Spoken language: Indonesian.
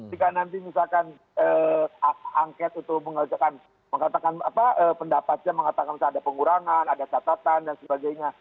jika nanti misalkan angket untuk mengatakan pendapatnya mengatakan ada pengurangan ada catatan dan sebagainya